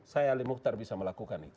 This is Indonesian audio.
saya ali mukhtar bisa melakukan itu